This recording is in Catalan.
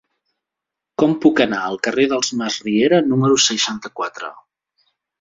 Com puc anar al carrer dels Masriera número seixanta-quatre?